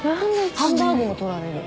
ハンバーグも撮られる。